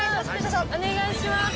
お願いします。